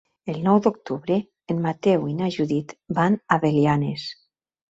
El nou d'octubre en Mateu i na Judit van a Belianes.